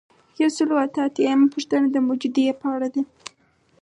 یو سل او اته اتیایمه پوښتنه د موجودیې په اړه ده.